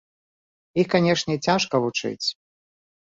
Іх, канешне, цяжка вучыць.